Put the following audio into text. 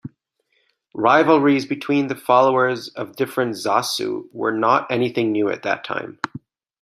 Rivalres between the followers of different "zasu" were not anything new at that time.